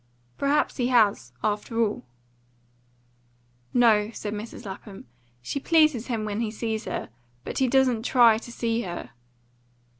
"Perhaps he has, after all." "No," said Mrs. Lapham. "She pleases him when he sees her. But he doesn't try to see her."